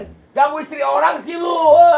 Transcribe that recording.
ganggu istri orang sih lu